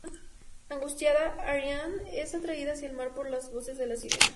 Angustiada, "Ariane" es atraída hacia el mar por las voces de las sirenas.